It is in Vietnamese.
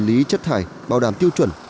xử lý chất thải bảo đảm tiêu chuẩn